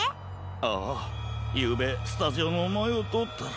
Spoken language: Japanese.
ああゆうべスタジオのまえをとおったら。